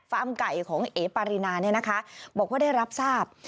ไก่ของเอ๋ปารินาเนี่ยนะคะบอกว่าได้รับทราบ